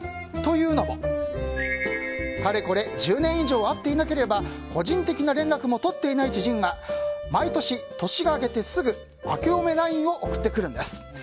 というのも、かれこれ１０年以上会っていなければ個人的な連絡も取っていない知人が毎年年が明けてすぐあけおめＬＩＮＥを送ってくるんです。